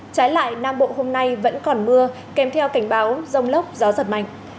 trái lại nam bộ hôm nay vẫn còn mưa kèm theo cảnh báo rông lốc gió giật mạnh